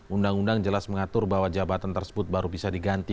undang undang jelas mengatur bahwa jabatan tersebut baru bisa diganti